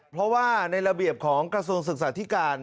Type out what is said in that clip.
เพราะว่าในระเบียบของกระทรวงศึกษาธิการ